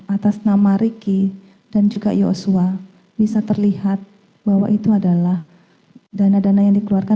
atas nama ricky dan juga yosua bisa terlihat bahwa itu adalah dana dana yang dikeluarkan